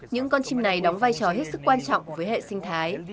những con chim này đóng vai trò hết sức quan trọng với hệ sinh thái